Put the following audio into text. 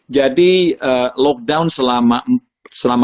jadi lockdown selama